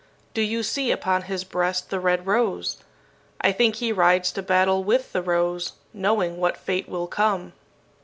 Do you see upon his breast the red rose? I think he rides to battle with the rose, knowing what fate will come.